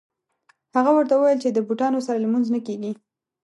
هغه ورته وویل چې د بوټانو سره لمونځ نه کېږي.